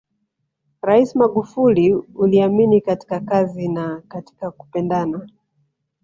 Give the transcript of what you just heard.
Rais Magufuli uliamini katika kazi na katika kupendana